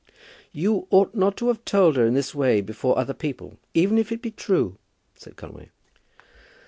"You ought not to have told her in this way, before other people, even if it be true," said Conway.